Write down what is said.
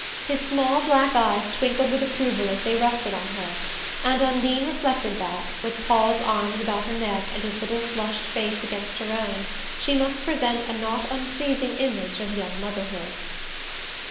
His small black eyes twinkled with approval as they rested on her, and Undine reflected that, with Paul's arms about her neck, and his little flushed face against her own, she must present a not unpleasing image of young motherhood.